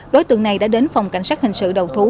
đối tượng này đã đến phòng cảnh sát hình sự đầu thú